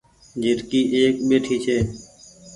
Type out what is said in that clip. جهرڪي ايڪ ٻهٺي ڇي